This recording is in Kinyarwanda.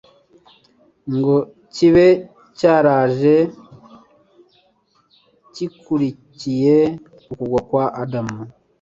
ngo kibe cyaraje gikurikiye ukugwa kwa Adamu.